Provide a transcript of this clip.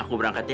aku berangkat ya